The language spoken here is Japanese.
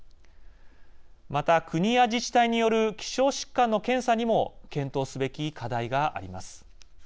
また、国や自治体による希少疾患の検査にも検討すべき課題があります。